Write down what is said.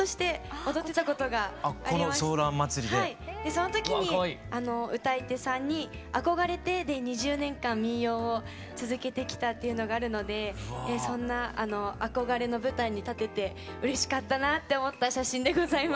その時に歌い手さんに憧れてで２０年間民謡を続けてきたというのがあるのでそんな憧れの舞台に立ててうれしかったなって思った写真でございます。